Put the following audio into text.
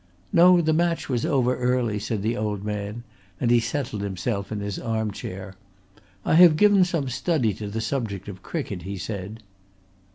"No, the match was over early," said the old man, and he settled himself in his arm chair. "I have given some study to the subject of cricket," he said.